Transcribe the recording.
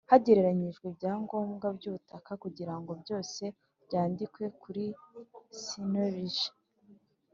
Hegeranyijwe ibyangombwa by ubutaka kugira ngo byose byandikwe kuri cnlg